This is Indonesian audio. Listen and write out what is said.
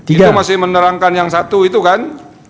itu masih menerangkan yang satu itu kan